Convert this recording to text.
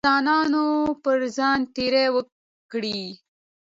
د انسانانو پر ځان تېری وکړي.